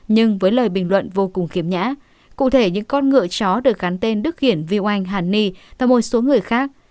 nhưng với lời bình luận vô cùng khiếm nhã cụ thể những con ngựa chó được gắn tên đức hiển viu anh hàn ni và một số người khác